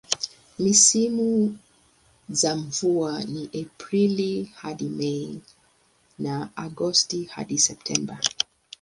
Misimu za mvua ni Aprili hadi Mei na Agosti hadi Septemba.